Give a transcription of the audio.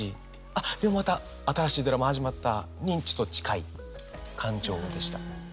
あっでもまた新しいドラマ始まったにちょっと近い感情でした。